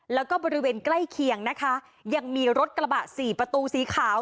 แล้วก็บริเวณใกล้เคียงนะคะยังมีรถกระบะสี่ประตูสีขาว